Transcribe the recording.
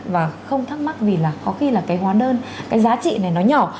và không thắc mắc vì là có khi là cái hóa đơn cái giá trị này nó nhỏ